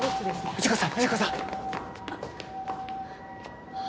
藤子さん藤子さん。